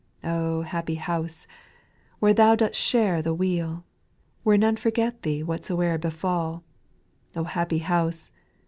5. Oh, happy house ! where Thou dost share the weal, Where none forget Thee whatsoe'er befall ; Oh, happy house